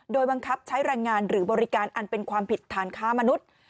โดยบังคับใช้แรงงานหรือบริการอันเป็นความผิดฐานค้ามนุษย์